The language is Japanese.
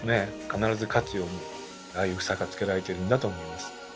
必ず勝つようにああいう房がつけられているんだと思います。